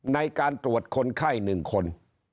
ในการตรวจคนไข้๑คน